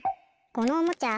このおもちゃ